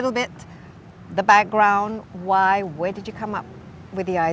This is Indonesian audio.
apa latar belakangnya kenapa kemana anda menemukan ide ini